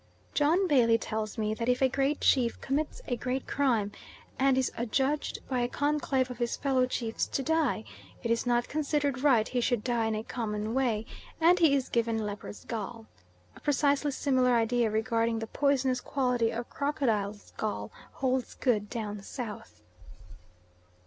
John Bailey tells me that if a great chief commits a great crime, and is adjudged by a conclave of his fellow chiefs to die, it is not considered right he should die in a common way, and he is given leopards' gall. A precisely similar idea regarding the poisonous quality of crocodiles' gall holds good down South.